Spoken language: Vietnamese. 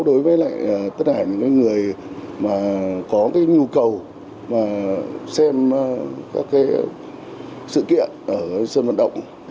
đối với tất cả những người có nhu cầu xem các sự kiện ở sân vận động